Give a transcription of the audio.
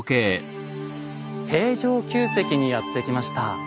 平城宮跡にやって来ました。